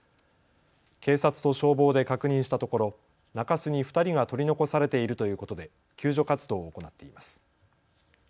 警察と消防で確認したところ中州に２人が取り残されているということで救助活動を行っています。